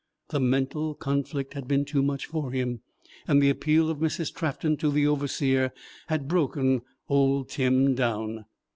The mental conflict had been too much for him, and the appeal of Mrs. Trafton to the Overseer had broken old Tim down.